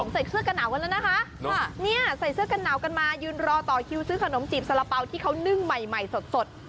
ใส่เสื้อกันหนาวกันแล้วนะคะเนี่ยใส่เสื้อกันหนาวกันมายืนรอต่อคิวซื้อขนมจีบสารเป๋าที่เขานึ่งใหม่สด